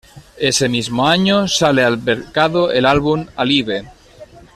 Ese mismo año sale al mercado el álbum "Alive".